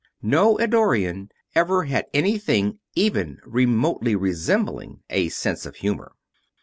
No Eddorian ever had anything even remotely resembling a sense of humor.